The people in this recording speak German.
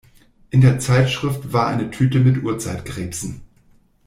In der Zeitschrift war eine Tüte mit Urzeitkrebsen.